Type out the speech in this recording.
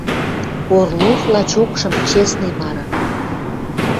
Орлов, лачокшым, честный мары.